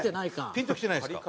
ピンときてないですか？